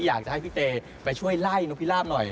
อยากจะให้พี่เตไปช่วยไล่นกพิราบหน่อย